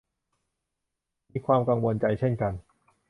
มีความกังวลใจเช่นกัน